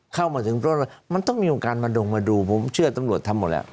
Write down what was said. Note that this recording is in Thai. เข้ามาถึงเพราะว่ามันต้องมีโอกาสมาดงมาดูผมเชื่อตำรวจทำหมดแล้ว